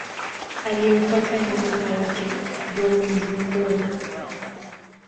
Aliyemfuata ni mwana wake, Go-Mizunoo.